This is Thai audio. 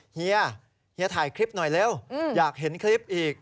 เฮียเฮียถ่ายคลิปหน่อยเร็วอยากเห็นคลิปอีก